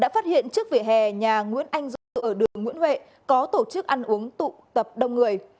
đã phát hiện trước vỉa hè nhà nguyễn anh du ở đường nguyễn huệ có tổ chức ăn uống tụ tập đông người